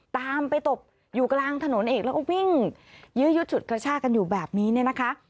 ตามไปตบอยู่กลางถนนเอกแล้ววิ่งยืดถุดกระชากันอยู่แบบนี้นะคะ